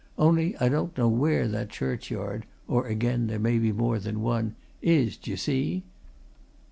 Only I don't know where that churchyard or, again, there may be more than one is, d'ye see?